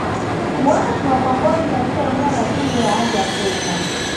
kuwashwa kwa ngozi katika eneo la tundu ya haja kubwa